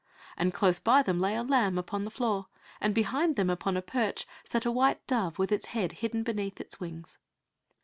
And close by them lay a lamb upon the floor, and behind them upon a perch sat a white dove with its head hidden beneath its wings.